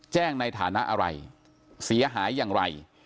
แจ้งในฐานะอะไรเสียหายอย่างไร